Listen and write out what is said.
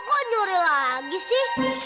kok nyuri lagi sih